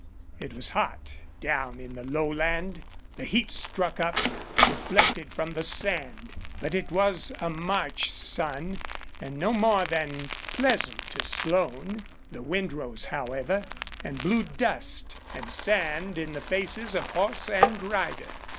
It was hot down in the lowland. The heat struck up, reflected from the sand. But it was a March sun, and no more than pleasant to Slone. The wind rose, however, and blew dust and sand in the faces of horse and rider.